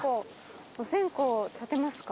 お線香立てますか？